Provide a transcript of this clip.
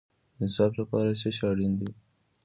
د انصاف لپاره څه شی اړین دی؟